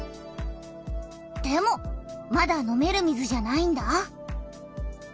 でもまだ飲める水じゃないんだ。